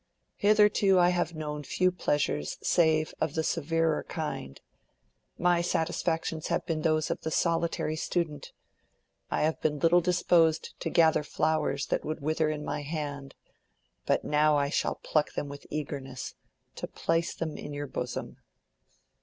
Hitherto I have known few pleasures save of the severer kind: my satisfactions have been those of the solitary student. I have been little disposed to gather flowers that would wither in my hand, but now I shall pluck them with eagerness, to place them in your bosom."